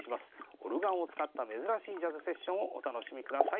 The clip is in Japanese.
オルガンを使った珍しいジャズセッションをお楽しみください。